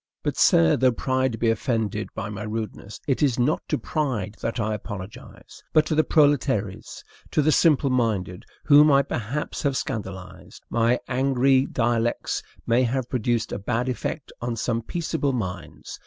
But, sir, though pride be offended by my rudeness, it is not to pride that I apologize, but to the proletaires, to the simple minded, whom I perhaps have scandalized. My angry dialectics may have produced a bad effect on some peaceable minds.